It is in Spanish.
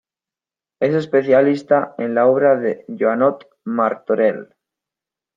Es especialista en la obra de Joanot Martorell.